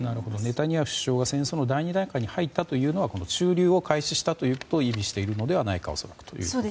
ネタニヤフ首相が戦争の第２段階に入ったというのはこの駐留を開始したことを意味しているのではないかと。